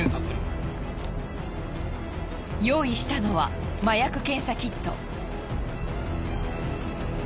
用意したのは麻薬検査キット。